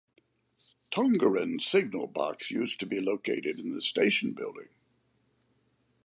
Tongeren signal box used to be located in the station building.